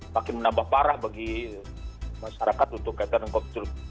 makin menambah parah bagi masyarakat untuk kaitan covid sembilan belas